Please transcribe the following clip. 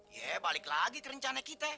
ya balik lagi ke rencana kita